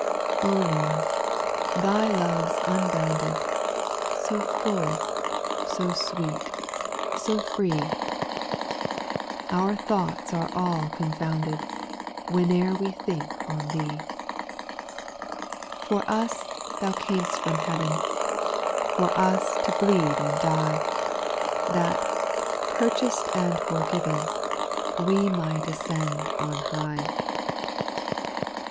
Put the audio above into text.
8. O Lord, Thy love 's unbounded. So full, so sweet, so free I Our thoughts are all confounded, W}wne'vr we think on Thee : SPIRITUA L SPNGS. 33 For us Thou cam'st from heaven, For us to bleed and die, That, purchased and forgiven, We might ascend on high.